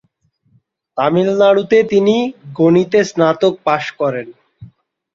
তামিলনাড়ু তে তিনি গণিতে স্নাতক পাশ করেন।